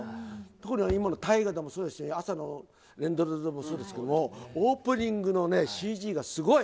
ところが今の大河でもそうだし、朝の連ドラでもそうですけど、オープニングのＣＧがすごい。